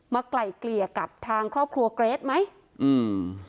ไกล่เกลี่ยกับทางครอบครัวเกรทไหมอืม